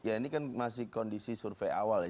ya ini kan masih kondisi survei awal ya